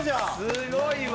すごいわ！